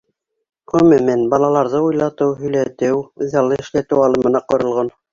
Ғөмүмән, балаларҙы уйлатыу, һөйләтеү, үҙаллы эшләтеү алымына ҡоролған.